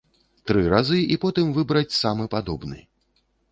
Тры разы і потым выбраць самы падобны.